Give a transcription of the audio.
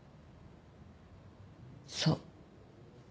そう。